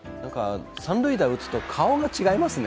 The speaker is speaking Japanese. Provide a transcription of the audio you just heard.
三塁打を打つと顔が違いますね。